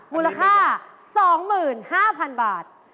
มูลค่า๒๕๐๐๐บาท